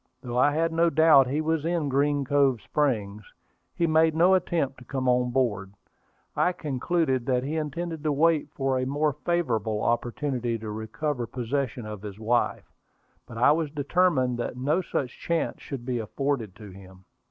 Though I had no doubt he was in Green Cove Springs, he made no attempt to come on board. I concluded that he intended to wait for a more favorable opportunity to recover possession of his wife; but I was determined that no such chance should be afforded to him.